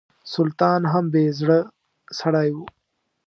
سلطان هم بې زړه سړی و.